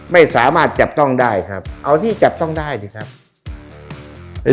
ไม่สามารถจับต้องได้ครับเอาที่จับต้องได้สิครับ